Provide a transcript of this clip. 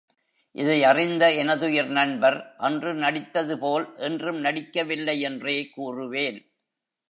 இதையறிந்த எனதுயிர் நண்பர் அன்று நடித்தது போல் என்றும் நடிக்கவில்லை யென்றே கூறுவேன்.